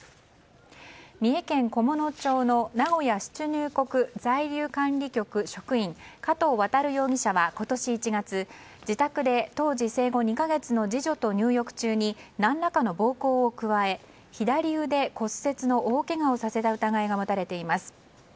三重県菰野町の名古屋出入国在留管理局職員加藤航容疑者は今年１月自宅で当時生後２か月の次女と入浴中に何らかの暴行を加え左腕骨折の大けがをさせた疑いが持たれています。